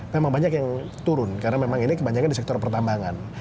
memang banyak yang turun karena memang ini kebanyakan di sektor pertambangan